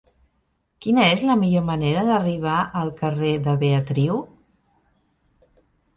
Quina és la millor manera d'arribar al carrer de Beatriu?